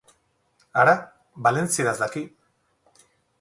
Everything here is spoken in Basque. Hara, valentzieraz daki!